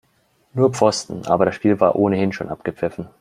Nur Pfosten, aber das Spiel war ohnehin schon abgepfiffen.